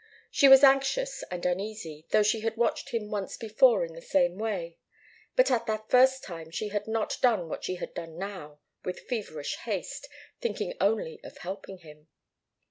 She was anxious and uneasy, though she had watched him once before in the same way. But at that first time she had not done what she had done now, with feverish haste, thinking only of helping him.